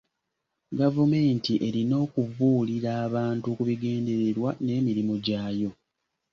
Gavumenti erina okubuulira abantu ku bigendererwa n'emirimu gyayo.